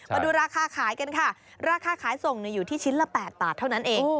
มาดูราคาขายกันค่ะราคาขายส่งอยู่ที่ชิ้นละ๘บาทเท่านั้นเอง